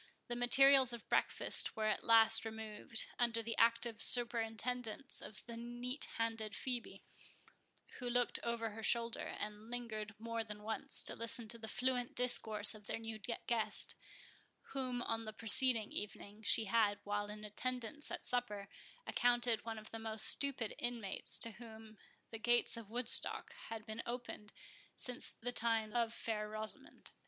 The materials of breakfast were at last removed, under the active superintendence of the neat handed Phœbe, who looked over her shoulder, and lingered more than once, to listen to the fluent discourse of their new guest, whom, on the preceding evening, she had, while in attendance at supper, accounted one of the most stupid inmates to whom the gates of Woodstock had been opened since the times of Fair Rosamond.